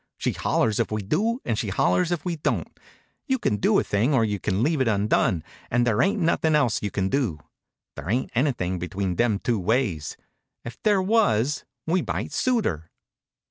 She hollers if we do and she hollers if we don't. You can do a thing or you can leave it undone, and there ain't nothing else you can do. There ain't anything between them two ways. If there was we might suit her."